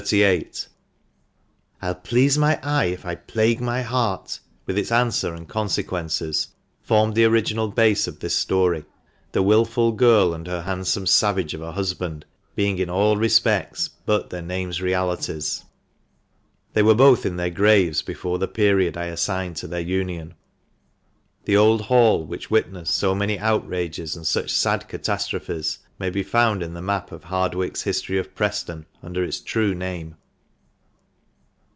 —" I'll please my eye if I plague my heart," with its answer and consequences, formed the original base of this story ; the wilful girl and her handsome savage of a husband being in all respects but their names' realities They were both in their graves before the period I assign to their union. The old Hall which witnessed so many outrages and such sad catastrophes may be found in the map of Hardwick's History of Preston under its true name.